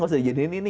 gak usah jadiin ini